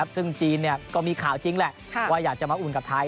ซึ่งจีนก็มีข่าวจริงแหละว่าอยากจะมาอุ่นกับไทย